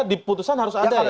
di putusan harus ada